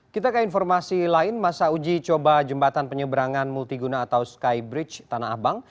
kita ke informasi lain masa uji coba jembatan penyeberangan multiguna atau skybridge tanah abang